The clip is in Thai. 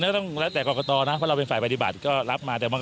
เลือกตั้งครั้งนี้มันก็มีความเปลี่ยนแปลงหลายอย่าง